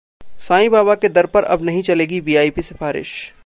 साईं बाबा के दर पर अब नहीं चलेगी वीआईपी सिफारिश